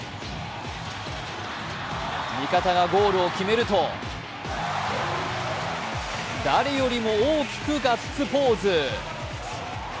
味方がゴールを決めると誰よりも大きくガッツポーズ。